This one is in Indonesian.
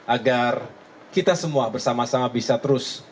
agar kita semua bersama sama bisa terus